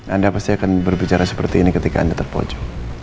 anda pasti akan berbicara seperti ini ketika anda terpojok